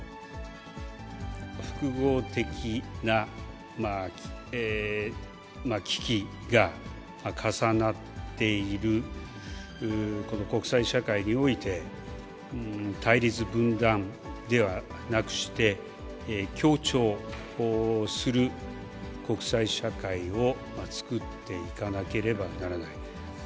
複合的な危機が重なっているこの国際社会において、対立分断ではなくして、協調する国際社会を作っていかなければならない。